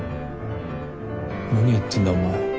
何やってんだお前。